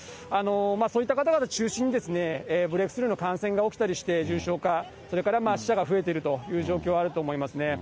そういった方々を中心に、ブレークスルーの感染が起きたりして重症化、それから死者が増えているといった状況、あると思いますね。